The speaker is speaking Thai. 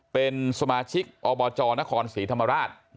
เป็นสมาชิกอบจนครศรีธรรมราช